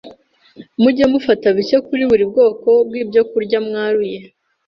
Mujye mufata bike kuri buri bwoko bw’ibyokurya mwaruye